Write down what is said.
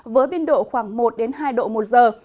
với biên độ khoảng một hai độ một giờ